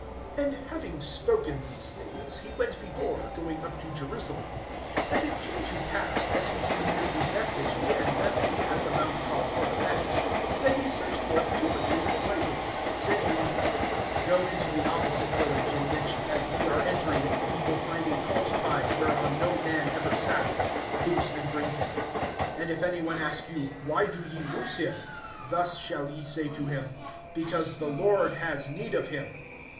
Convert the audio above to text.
(28)And having spoken these things, he went before, going up to Jerusalem. (29)And it came to pass, as he drew near to Bethphage and Bethany, at the mount called Olivet, that he sent forth two of his disciples, (30)saying: Go into the opposite village, in which as ye are entering ye will find a colt tied, whereon no man ever sat; loose and bring him. (31)And if any one ask you, why do ye loose him? thus shall ye say to him: Because the Lord has need of him.